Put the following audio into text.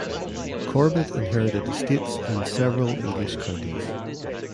Corbett inherited estates in several English counties.